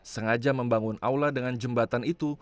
sengaja membangun aula dengan jembatan itu